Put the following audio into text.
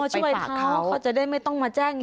ช่วยเขาเขาจะได้ไม่ต้องมาแจ้ง